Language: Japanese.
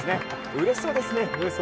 うれしそうです。